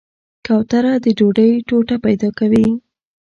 کوتره د ډوډۍ ټوټه پیدا کوي.